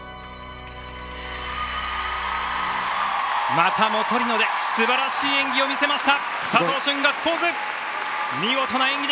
またもトリノで素晴らしい演技見せました！